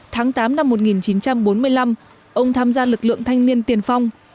tháng tám năm một nghìn chín trăm bốn mươi năm ông tham gia lực lượng thanh niên tiền phong